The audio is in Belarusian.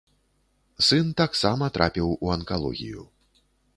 Сын таксама трапіў у анкалогію.